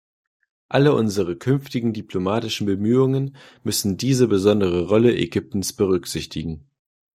Alle unsere künftigen diplomatischen Bemühungen müssen diese besondere Rolle Ägyptens berücksichtigen.